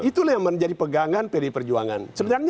itulah yang menjadi pegangan pdi perjuangan